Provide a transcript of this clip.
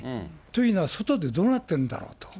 というのは、外でどうなってるんだろうと。